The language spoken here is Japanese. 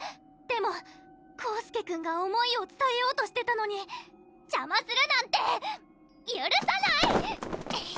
でも宏輔くんが思いをつたえようとしてたのに邪魔するなんてゆるさない！